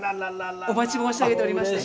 お待ち申し上げておりました。